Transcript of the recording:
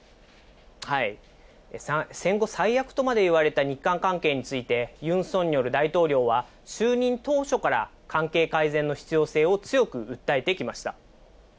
戦後最悪とまで言われた日韓関係について、ユン・ソンニョル大統領は、就任当初から関係改善の必要性を強く訴えてきました。